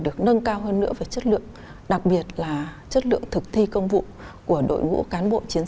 được nâng cao hơn nữa về chất lượng đặc biệt là chất lượng thực thi công vụ của đội ngũ cán bộ chiến